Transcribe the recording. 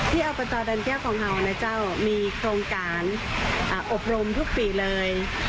ที่เอาประตอดันเตี้ยวของเรานะเจ้ามีโครงการอบรมทุกปีเลย